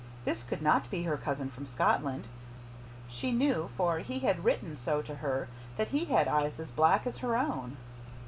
This could not be her cousin from Scotland. She knew, for he had written so to her, that he had eyes as black as her own.